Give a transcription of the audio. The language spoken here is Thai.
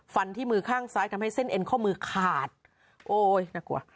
ฟันที่มือข้างซ้ายทำให้เส้นเอ็นข้อมือขาดโอ้ยน่ากลัว